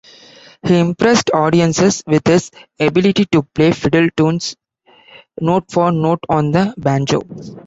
He impressed audiences with his ability to play fiddle tunes note-for-note on the banjo.